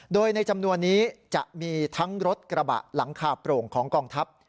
โดยในจำนวนนี้จะมีทั้งรถกระบะหลังคาโปร่งของกองทัพ